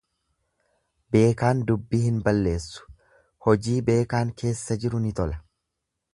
Beekaan dubbii hin balleessu, hojii beekaan keessa jiru ni tola.